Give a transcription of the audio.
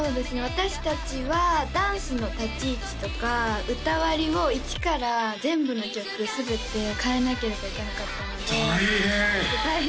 私達はダンスの立ち位置とか歌割りを１から全部の曲全て変えなければいけなかったので大変！